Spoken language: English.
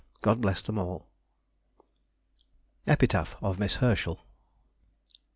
God bless them all! EPITAPH OF MISS HERSCHEL.